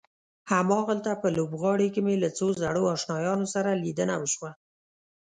هماغلته په لوبغالي کې مې له څو زړو آشنایانو سره لیدنه وشوه.